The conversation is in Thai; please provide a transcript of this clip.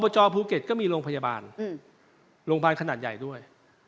จอภูเก็ตก็มีโรงพยาบาลโรงพยาบาลขนาดใหญ่ด้วย